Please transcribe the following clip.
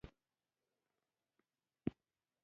هغوی د سړک پر غاړه د سپوږمیز لرګی ننداره وکړه.